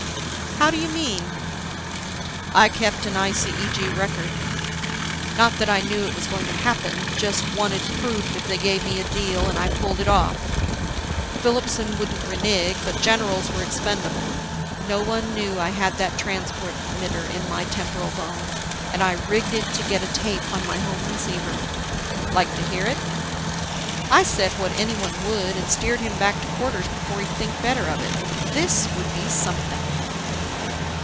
"How do you mean?" "I kept an ICEG record. Not that I knew it was going to happen, just wanted proof if they gave me a deal and I pulled it off. Filipson wouldn't renege, but generals were expendable. No one knew I had that transmitter in my temporal bone, and I rigged it to get a tape on my home receiver. Like to hear it?" I said what anyone would, and steered him back to quarters before he'd think better of it. This would be something!